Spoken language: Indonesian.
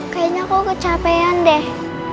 kayaknya aku kecapean deh